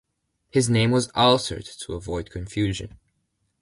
His name was altered to avoid confusion.